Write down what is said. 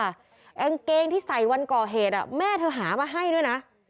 กางเกงที่ใส่วันก่อเหตุแม่เธอหามาให้ด้วยนะ